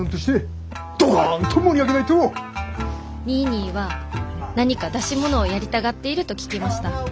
「ニーニーは何か出し物をやりたがっていると聞きました。